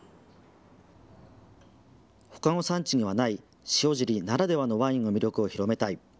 ほかの産地にはない塩尻ならではのワインの魅力を広めたい。